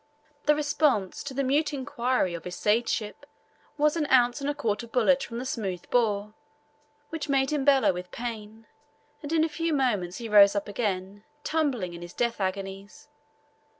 The response to the mute inquiry of his sageship was an ounce and a quarter bullet from the smooth bore, which made him bellow with pain, and in a few moments he rose up again, tumbling in his death agonies.